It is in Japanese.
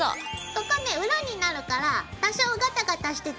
ここね裏になるから多少ガタガタしてても大丈夫。